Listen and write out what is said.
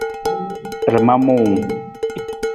Rama muuwung.